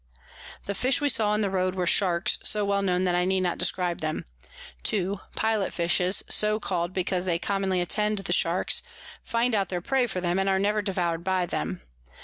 The Fish we saw in the Road were Sharks, so well known that I need not describe them. 2. Pilot Fishes, so call'd because they commonly attend the Sharks, find out their Prey for 'em, and are never devour'd by 'em.